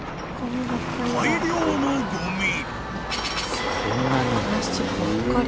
［大量のごみ］